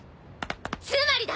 つまりだ！